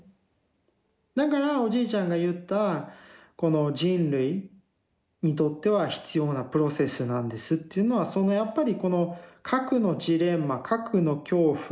だからおじいちゃんが言ったこの「人類にとっては必要なプロセスなんです」っていうのはやっぱりこの核のジレンマ核の恐怖トラウマっていうのを乗り越える。